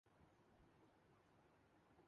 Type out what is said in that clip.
نہ کوئی مصرف ہے۔